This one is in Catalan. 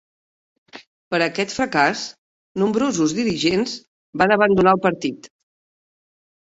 Per aquest fracàs nombrosos dirigents van abandonar el partit.